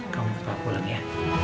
kamu pulang ya